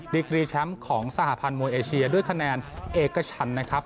ดีกรีแชมป์ของสหพันธ์มวยเอเชียด้วยคะแนนเอกชันนะครับ